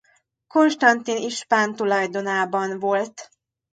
Constantin ispán tulajdonában volt.